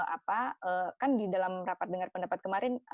apa kan di dalam rapat dengar pendapat kemarin